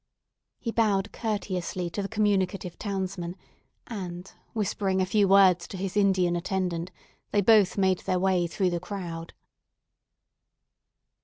He bowed courteously to the communicative townsman, and whispering a few words to his Indian attendant, they both made their way through the crowd.